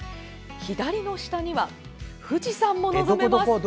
左の下には、富士山も望めます。